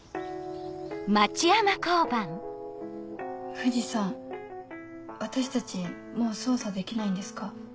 藤さん私たちもう捜査できないんですか？